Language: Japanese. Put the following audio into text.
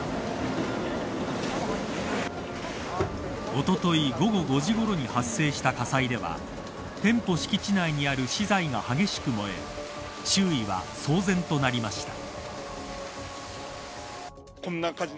おととい午後５時ごろに発生した火災では店舗敷地内にある資材が激しく燃え周囲は騒然となりました。